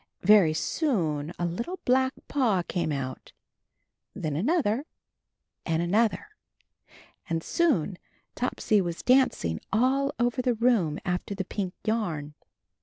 Very soon a little black paw came out, then another, and an other, and soon Topsy was dancing all over the room after the pink yarn.